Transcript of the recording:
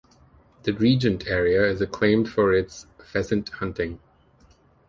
The Regent area is acclaimed for its pheasant hunting.